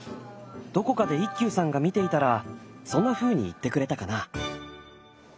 どこかで一休さんが見ていたらそんなふうに言ってくれたかな。